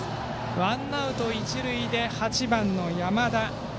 ワンアウト、一塁でバッターは８番の山田。